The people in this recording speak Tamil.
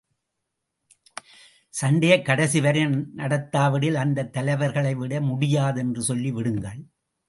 சண்டையைக் கடைசி வரை நடத்தாவிடில், அந்தத் தலைவர்களை விட முடியாது என்று சொல்லி விடுங்கள்.